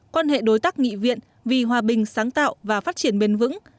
quan hệ đối tác nghị viện vì hòa bình sáng tạo và phát triển bền vững